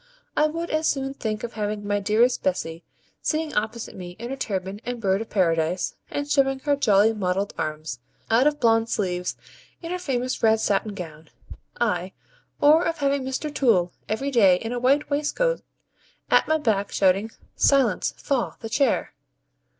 I would as soon think of having my dearest Bessy sitting opposite me in a turban and bird of paradise, and showing her jolly mottled arms out of blond sleeves in her famous red satin gown: ay, or of having Mr. Toole every day, in a white waistcoat, at my back, shouting, 'Silence FAW the chair!'